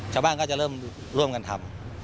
ชาวบ้านก็จะเริ่มร่วมกันทำ